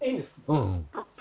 うん。